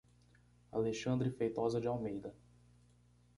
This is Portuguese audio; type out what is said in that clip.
Alexandre Feitosa de Almeida